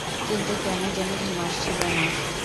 কিন্তু কেন যেন ঘুম আসছিলনা।